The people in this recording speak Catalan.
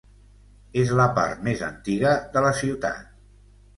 És la part més antiga de la ciutat.